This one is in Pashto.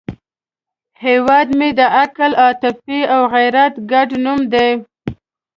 هیواد مې د عقل، عاطفې او غیرت ګډ نوم دی